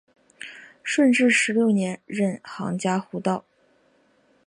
顺治十六年任杭嘉湖道。